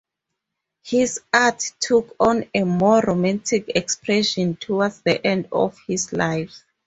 His art took on a more romantic expression toward the end of his life.